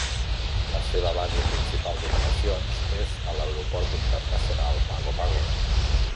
La seva base principal d'operacions és a l'aeroport internacional Pago Pago.